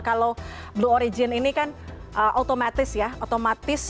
kalau blue origin ini kan otomatis ya otomatis